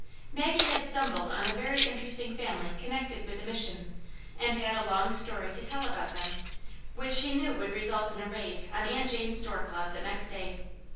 Maggie had stumbled on a very interesting family connected with the mission, and had a long story to tell about them, which she knew would result in a raid on Aunt Jane's store closet next day.